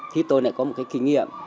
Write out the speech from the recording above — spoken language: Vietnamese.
thì tôi lại có một cái kinh nghiệm